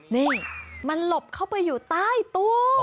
นี่มันหลบเข้าไปอยู่ใต้ตู้